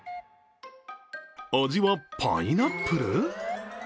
味はパイナップル！？